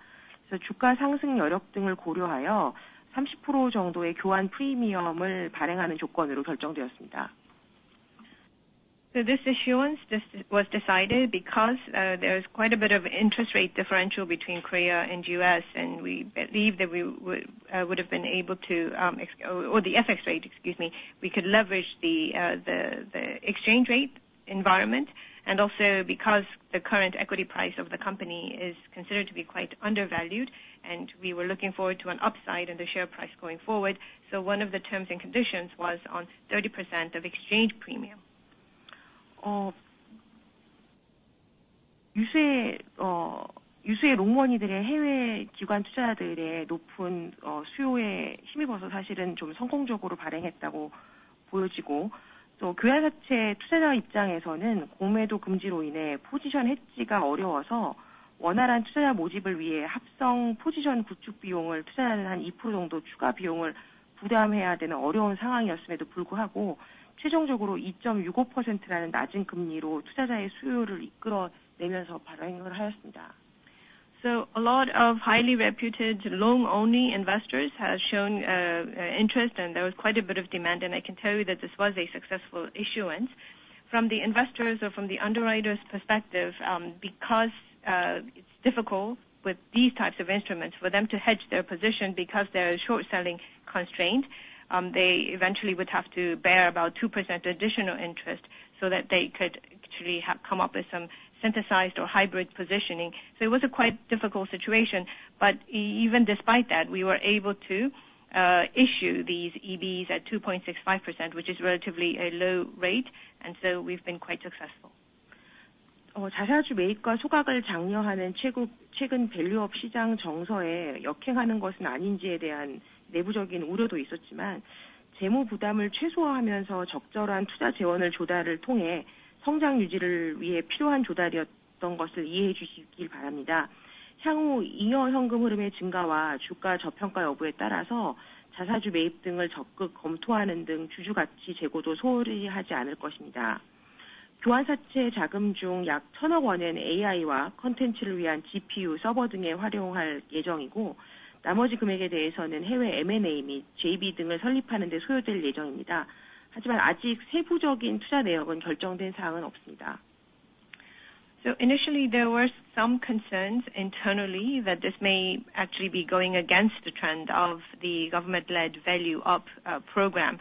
So this issuance, this was decided because there was quite a bit of interest rate differential between Korea and US, and we believe that we would have been able to or the FX rate, excuse me, we could leverage the exchange rate environment, and also because the current equity price of the company is considered to be quite undervalued, and we were looking forward to an upside in the share price going forward. So one of the terms and conditions was on 30% of exchange premium. So a lot of highly reputed long-only investors have shown interest, and there was quite a bit of demand, and I can tell you that this was a successful issuance. From the investors or from the underwriter's perspective, because it's difficult with these types of instruments for them to hedge their position because they're short-selling constraint, they eventually would have to bear about 2% additional interest so that they could actually have come up with some synthesized or hybrid positioning. So it was a quite difficult situation, but even despite that, we were able to issue these EBs at 2.65%, which is relatively a low rate, and so we've been quite successful. So initially there were some concerns internally that this may actually be going against the trend of the government-led value up program,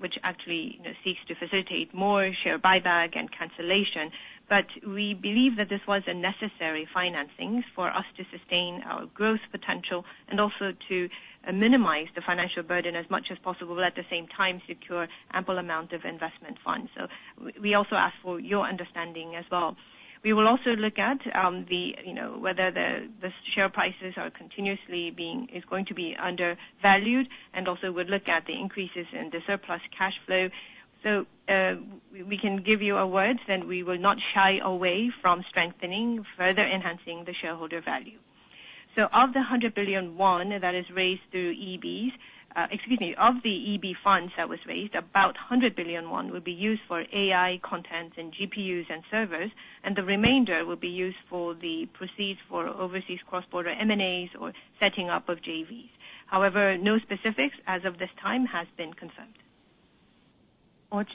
which actually, you know, seeks to facilitate more share buyback and cancellation. But we believe that this was a necessary financing for us to sustain our growth potential and also to minimize the financial burden as much as possible, while at the same time secure ample amount of investment funds. So we also ask for your understanding as well. We will also look at, you know, whether the share prices are continuously going to be undervalued, and also we'll look at the increases in the surplus cash flow. So, we can give you our words that we will not shy away from strengthening, further enhancing the shareholder value. So of the 100 billion won that is raised through EBs, of the EB funds that was raised, about 100 billion won will be used for AI content and GPUs and servers, and the remainder will be used for the proceeds for overseas cross-border M&As or setting up of JVs. However, no specifics as of this time has been confirmed. So as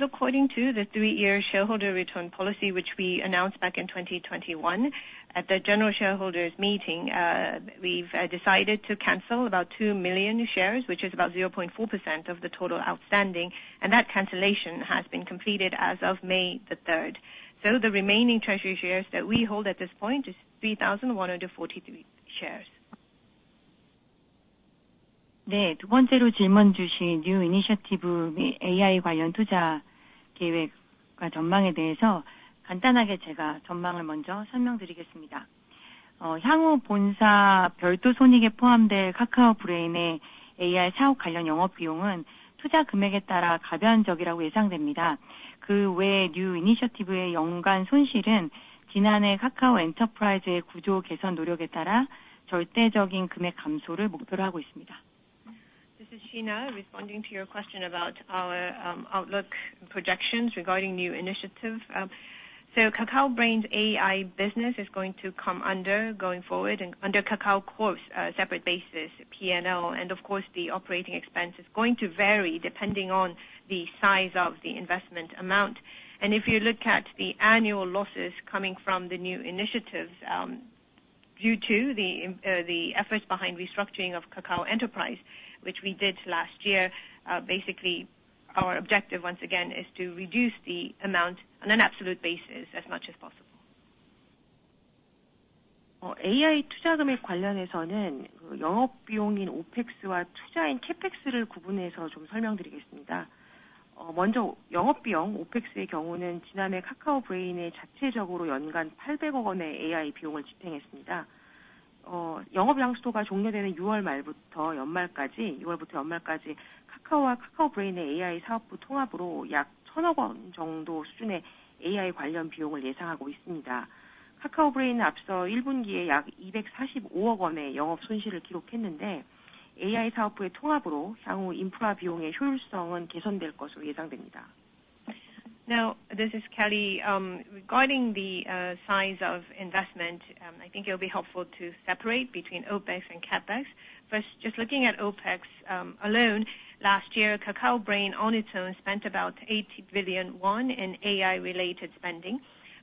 according to the three-year shareholder return policy, which we announced back in 2021, at the general shareholders meeting, we've decided to cancel about 2 million shares, which is about 0.4% of the total outstanding, and that cancellation has been completed as of May the 3rd. So the remaining treasury shares that we hold at this point is 3,143 shares. This is Shina, responding to your question about our, outlook projections regarding new initiatives. So Kakao Brain's AI business is going to come under, going forward and under Kakao Corp's, separate basis, PNL. And of course, the operating expense is going to vary depending on the size of the investment amount. And if you look at the annual losses coming from the new initiatives, due to the, the efforts behind restructuring of Kakao Enterprise, which we did last year, basically our objective once again is to reduce the amount on an absolute basis as much as possible. Now, this is Kelly. Regarding the size of investment, I think it will be helpful to separate between OpEx and CapEx. First, just looking at OpEx alone, last year, Kakao Brain, on its own, spent about 80 billion won in AI-related spending.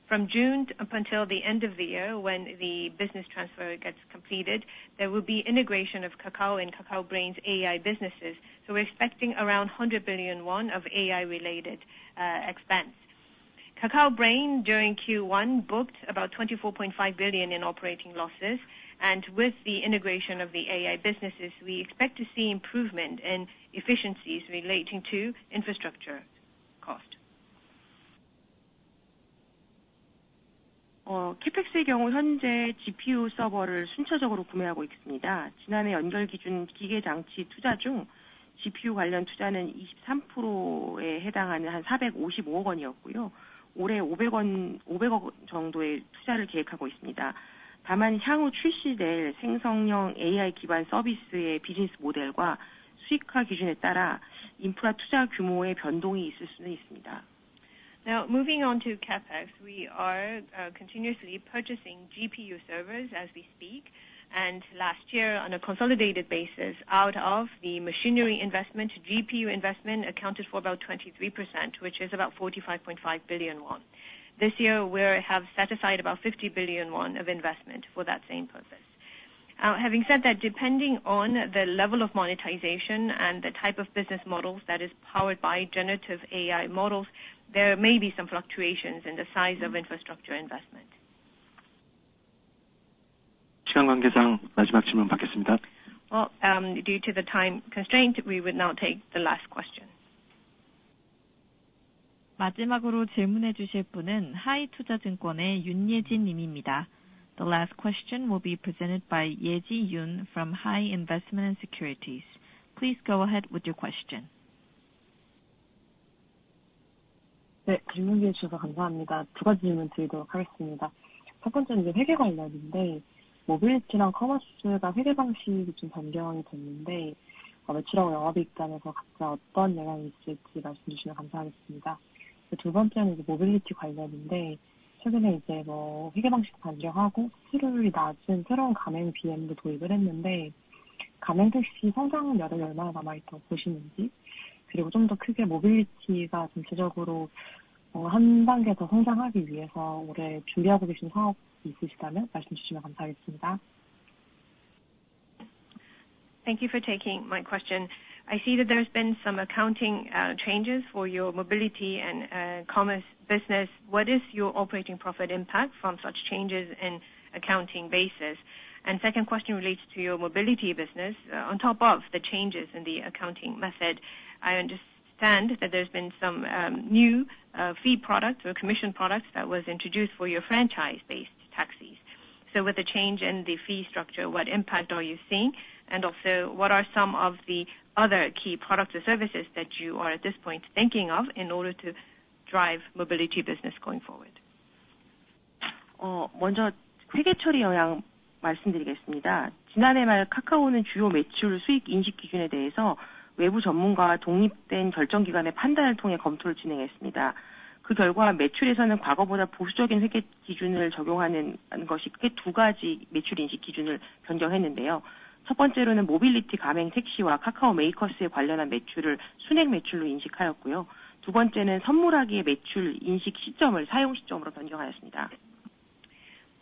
From June up until the end of the year when the business transfer gets completed, there will be integration of Kakao and Kakao Brain's AI businesses. So we're expecting around 100 billion won of AI-related expense. Kakao Brain, during Q1, booked about 24.5 billion in operating losses, and with the integration of the AI businesses, we expect to see improvement in efficiencies relating to infrastructure cost. Now, moving on to CapEx. We are continuously purchasing GPU servers as we speak. Last year, on a consolidated basis, out of the machinery investment, GPU investment accounted for about 23%, which is about 45.5 billion won. This year, we're have set aside about 50 billion won of investment for that same purpose. Having said that, depending on the level of monetization and the type of business models that is powered by generative AI models, there may be some fluctuations in the size of infrastructure investment. Well, due to the time constraint, we would now take the last question. The last question will be presented by Yeji Yoon from HI Investment & Securities. Please go ahead with your question. Thank you for taking my question. I see that there's been some accounting changes for your mobility and commerce business. What is your operating profit impact from such changes in accounting basis? Second question relates to your mobility business. On top of the changes in the accounting method, I understand that there's been some new fee products or commission products that was introduced for your franchise-based taxis. So with the change in the fee structure, what impact are you seeing? And also, what are some of the other key products or services that you are, at this point, thinking of in order to drive mobility business going forward?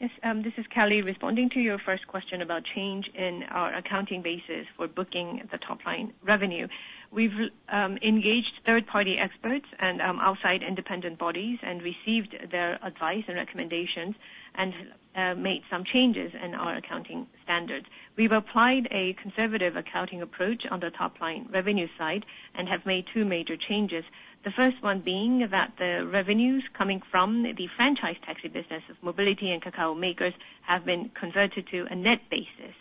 Yes, this is Kelly. Responding to your first question about change in our accounting basis for booking the top line revenue. We've engaged third party experts and outside independent bodies and received their advice and recommendations, and made some changes in our accounting standards. We've applied a conservative accounting approach on the top line revenue side and have made two major changes. The first one being that the revenues coming from the franchise taxi business of mobility and Kakao Makers have been converted to a net basis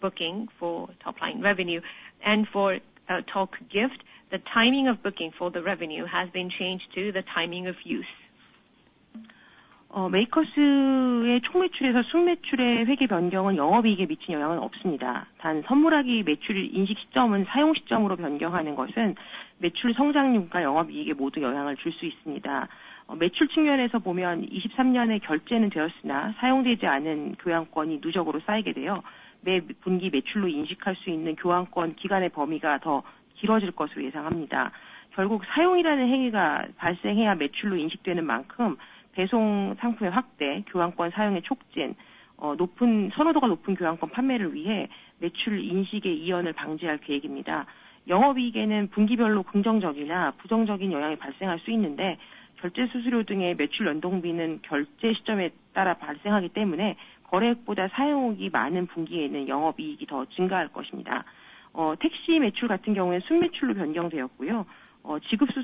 booking for top line revenue. And for Talk Gift, the timing of booking for the revenue has been changed to the timing of use. Regarding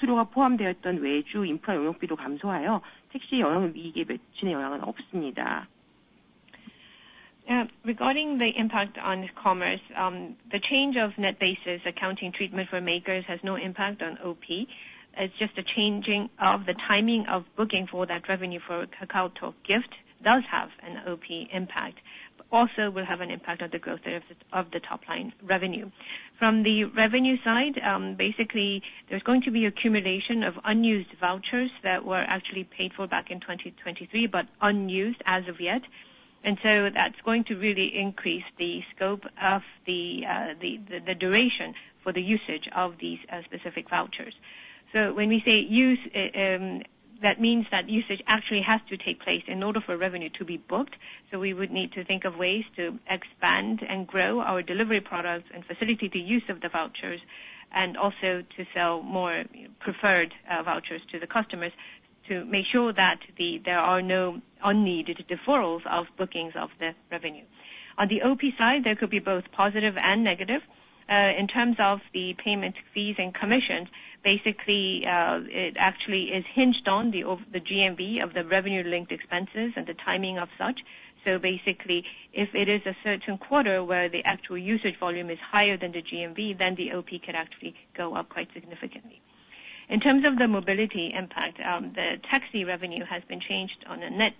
the impact on commerce, the change of net basis accounting treatment for makers has no impact on OP. It's just a changing of the timing of booking for that revenue for KakaoTalk Gift does have an OpEx impact, but also will have an impact on the growth of the top line revenue. From the revenue side, basically, there's going to be accumulation of unused vouchers that were actually paid for back in 2023, but unused as of yet. And so that's going to really increase the scope of the duration for the usage of these specific vouchers. So when we say use, that means that usage actually has to take place in order for revenue to be booked. So we would need to think of ways to expand and grow our delivery products and facilitate the use of the vouchers, and also to sell more preferred vouchers to the customers to make sure that there are no unneeded deferrals of bookings of the revenue. On the OP side, there could be both positive and negative. In terms of the payment fees and commissions, basically, it actually is hinged on the GMV of the revenue linked expenses and the timing of such. So basically, if it is a certain quarter where the actual usage volume is higher than the GMV, then the OP could actually go up quite significantly. In terms of the mobility impact, the taxi revenue has been changed on a net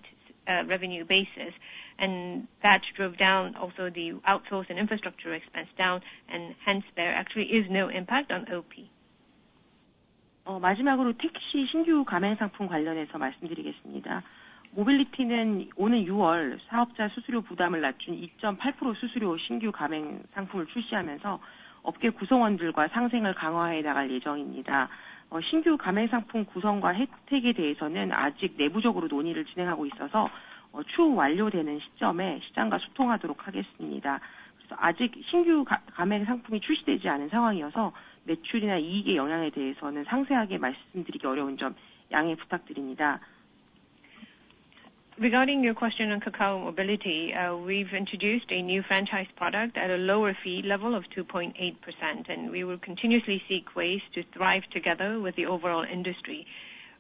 revenue basis, and that drove down also the outsource and infrastructure expense down, and hence there actually is no impact on OP. Regarding your question on Kakao Mobility, we've introduced a new franchise product at a lower fee level of 2.8%, and we will continuously seek ways to thrive together with the overall industry.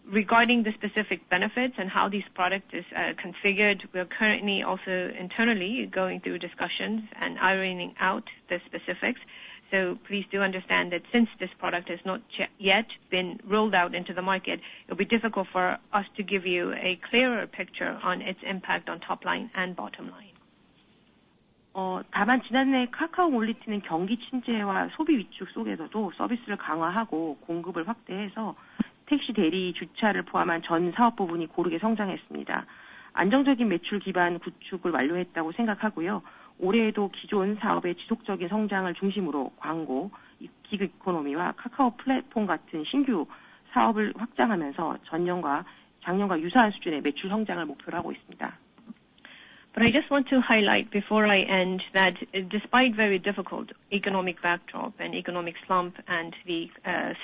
Regarding the specific benefits and how this product is configured, we are currently also internally going through discussions and ironing out the specifics. So please do understand that since this product has not yet been rolled out into the market, it'll be difficult for us to give you a clearer picture on its impact on top line and bottom line. But I just want to highlight before I end, that despite very difficult economic backdrop and economic slump and the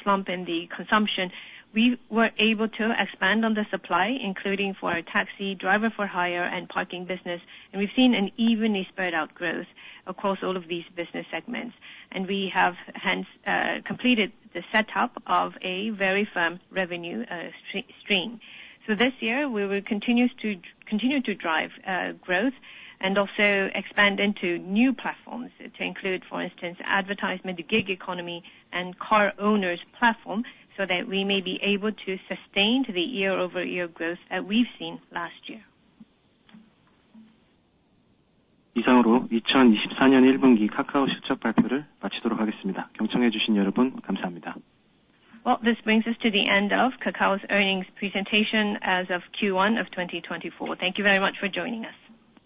slump in the consumption, we were able to expand on the supply, including for our taxi driver for hire and parking business. And we've seen an evenly spread out growth across all of these business segments, and we have hence completed the setup of a very firm revenue stream. So this year, we will continue to drive growth and also expand into new platforms to include, for instance, advertisement, gig economy, and car owners platform, so that we may be able to sustain the year-over-year growth that we've seen last year. Well, this brings us to the end of Kakao's earnings presentation as of Q1 of 2024. Thank you very much for joining us.